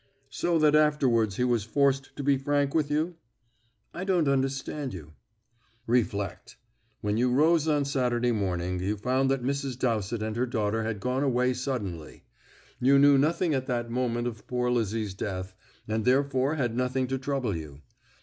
"So that afterwards he was forced to be frank with you?" "I don't understand you." "Reflect. When you rose on Saturday morning you found that Mrs. Dowsett and her daughter had gone away suddenly. You knew nothing at that moment of poor Lizzie's death, and therefore had nothing to trouble you.